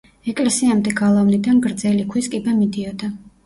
ეკლესიამდე გალავნიდან გრძელი ქვის კიბე მიდიოდა.